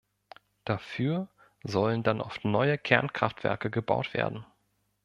Dafür sollen dann oft neue Kernkraftwerke gebaut werden.